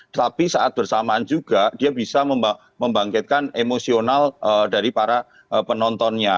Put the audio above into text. tetapi saat bersamaan juga dia bisa membangkitkan emosional dari para penontonnya